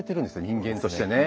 人間としてね。